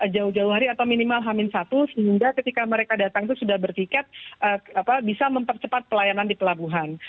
jauh jauh hari atau minimal hamil satu sehingga ketika mereka datang itu sudah bertiket bisa mempercepat pelayanan di pelabuhan